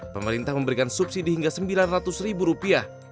pemerintah memberikan subsidi hingga sembilan ratus ribu rupiah